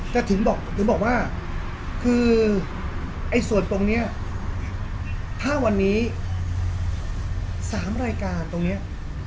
แต่ถึงบอกถึงบอกว่าคือไอ้ส่วนตรงนี้ถ้าวันนี้๓รายการตรงนี้